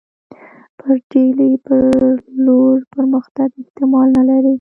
پر ډهلي پر لور پرمختګ احتمال نه لري.